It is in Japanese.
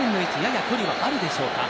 やや距離はあるでしょうか。